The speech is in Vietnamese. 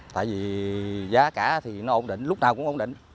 tại vì giá cả thì nó ổn định lúc nào cũng ổn định